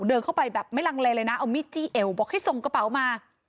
เดินเข้าไปแบบไม่ลังเลเลยนะเอามีดจี้เอวบอกให้ส่งกระเป๋ามา